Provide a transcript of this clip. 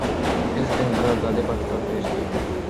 اس دن قرارداد پاکستان پیش کی